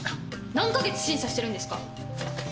何か月審査してるんですか！